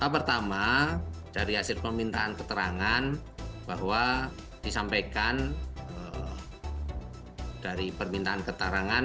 pertama dari hasil permintaan keterangan bahwa disampaikan dari permintaan keterangan